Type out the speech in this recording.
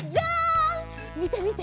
みてみて！